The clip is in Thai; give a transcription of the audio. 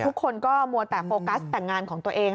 ทุกคนก็มัวแต่โฟกัสแต่งงานของตัวเอง